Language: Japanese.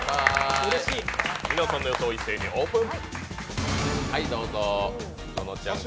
皆さんの予想一斉にオープン！